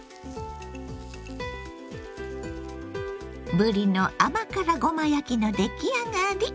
ぶりの甘辛ごま焼きの出来上がり！